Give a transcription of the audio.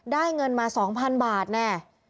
ได้เงินมา๒๐๐๐บาทแน่